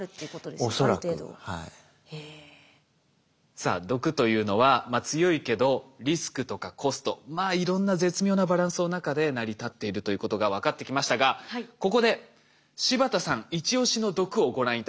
さあ毒というのは強いけどリスクとかコストまあいろんな絶妙なバランスの中で成り立っているということが分かってきましたがここで柴田さんイチオシの毒をご覧頂きましょう。